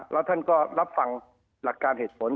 แล้วท่านก็รับฟังหลักการเผสฐกรรม